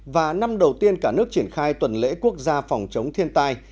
và năm đầu tiên cả nước triển khai tuần lễ quốc gia phòng chống thiên tai